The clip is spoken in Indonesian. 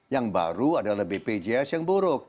yang baru adalah bpjs yang buruk